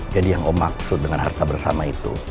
jadi yang om maksud dengan harta bersama itu